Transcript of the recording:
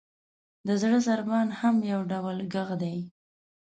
• د زړه ضربان هم یو ډول ږغ دی.